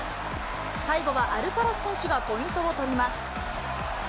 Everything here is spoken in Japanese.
最後はアルカラス選手がポイントを取ります。